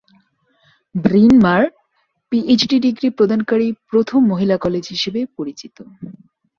Brin Mawr PhD degree প্রদানকারী প্রথম মহিলা কলেজ হিসেবে পরিচিত।